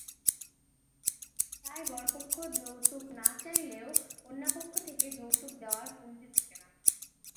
তাই বরপক্ষ যৌতুক না চাইলেও কন্যাপক্ষ থেকে যৌতুক দেওয়ার কমতি থাকে না।